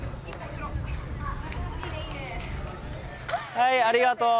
はいありがとう。